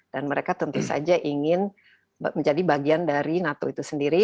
dan mereka tentu saja ingin menjadi bagian dari nato itu sendiri